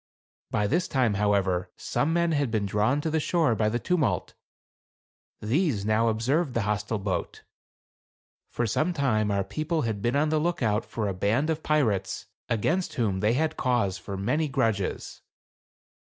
By this time, however, some men had been drawn to the shore by the tumult. These now observed the hostile boat. For some time our people had been on the lookout for a band of pirates, against whom they had cause for many grudges.